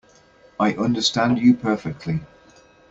I understand you perfectly.